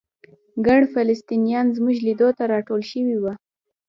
ګڼ فلسطینیان زموږ لیدو ته راټول شوي وو.